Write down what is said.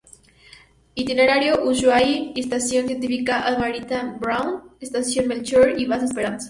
Itinerario: Ushuaia, Estación Científica Almirante Brown, Estación Melchior y Base Esperanza.